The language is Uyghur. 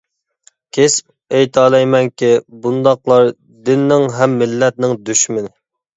كېسىپ ئېيتالايمەنكى، بۇنداقلار دىننىڭ ھەم مىللەتنىڭ دۈشمىنى.